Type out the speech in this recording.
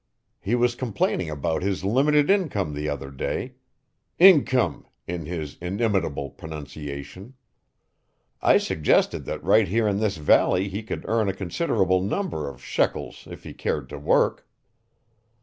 He was complaining about his limited income the other day 'inkum' in his inimitable pronunciation. I suggested that right here in this valley he could earn a considerable number of shekels if he cared to work.